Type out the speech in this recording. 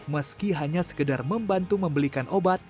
meski hanya sekedar membantu membelikan obat